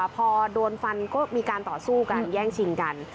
พอโดนฟันก็มีการต่อสู้กันแย่งชิงกัน